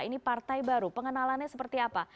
ini partai baru pengenalannya seperti apa